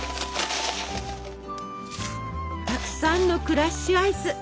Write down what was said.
たくさんのクラッシュアイス！